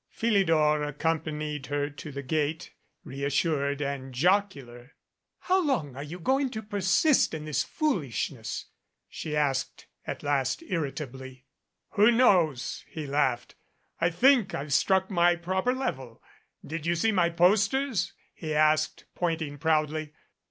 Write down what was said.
Philidor accompanied her to the gate, reassured and jocular. "How long are you going to persist in this foolish ness?" she asked at last irritably. "Who knows?" he laughed. "I think I've struck my proper level. Did you see my posters ?" he asked, point ing proudly.